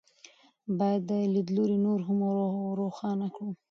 باید دا لیدلوری نور هم روښانه کړو.